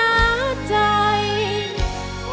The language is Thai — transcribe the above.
เพลงแรกของเจ้าเอ๋ง